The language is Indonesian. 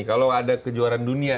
kalau ada kejuaraan dunia